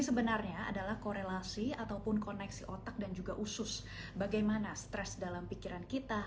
sebenarnya adalah korelasi ataupun koneksi otak dan juga usus bagaimana stres dalam pikiran kita